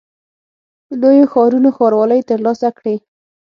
لویو ښارونو ښاروالۍ ترلاسه کړې.